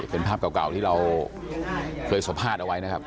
เป็นภาพเก่าที่เราเคยสัมภาษณ์เอาไว้นะครับ